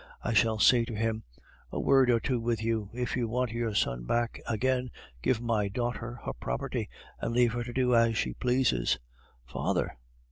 I shall say to him, 'A word or two with you! If you want your son back again, give my daughter her property, and leave her to do as she pleases.'" "Father!"